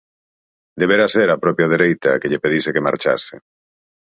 Debera ser a propia dereita a que lle pedise que marchase.